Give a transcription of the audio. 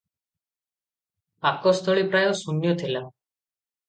ପାକସ୍ଥଳୀ ପ୍ରାୟ ଶୂନ୍ୟ ଥିଲା ।